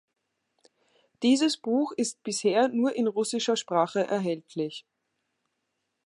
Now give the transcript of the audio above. Dieses Buch ist bisher nur in russischer Sprache erhältlich.